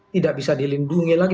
tidak bisa dilindungi lagi